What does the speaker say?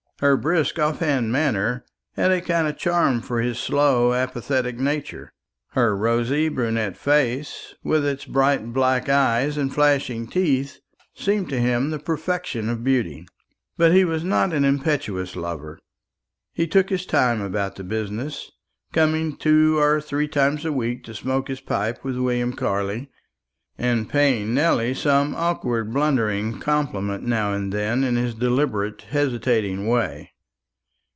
Her brisk off hand manner had a kind of charm for his slow apathetic nature; her rosy brunette face, with its bright black eyes and flashing teeth, seemed to him the perfection of beauty. But he was not an impetuous lover. He took his time about the business, coming two or three times a week to smoke his pipe with William Carley, and paying Nelly some awkward blundering compliment now and then in his deliberate hesitating way.